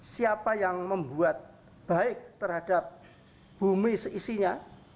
siapa yang membuat baik terhadap bumi seisinya